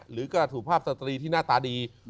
หรือกระดูกภาพสตรีที่หน้าตาดี